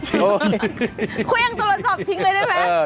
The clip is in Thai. เครื่องโทรศัพท์ทิ้งเลยได้ไหม